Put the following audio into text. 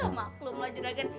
maklum lah juragan